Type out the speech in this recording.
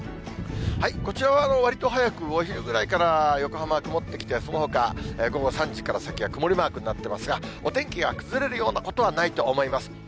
こちらはわりと早く、お昼ぐらいから横浜は曇ってきて、そのほか午後３時から先は曇りマークになってますが、お天気が崩れるようなことはないと思います。